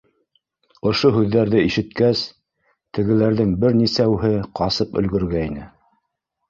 — Ошо һүҙҙәрҙе ишеткәс, тегеләрҙең бер нисәүһе ҡасып өлгөргәйне.